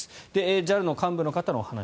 ＪＡＬの幹部の方のお話。